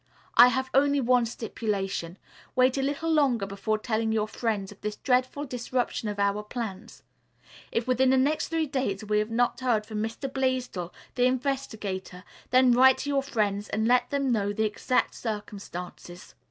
I have only one stipulation. Wait a little longer before telling your friends of this dreadful disruption of our plans. If within the next three days we have not heard from Mr. Blaisdell, the investigator, then write to your friends and let them know the exact circumstances."